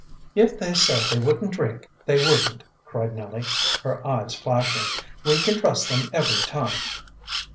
"If they said they wouldn't drink they wouldn't," cried Nellie, her eyes flashing. "We can trust them every time."